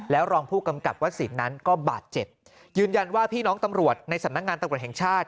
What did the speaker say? รองผู้กำกับวัสสินนั้นก็บาดเจ็บยืนยันว่าพี่น้องตำรวจในสำนักงานตำรวจแห่งชาติ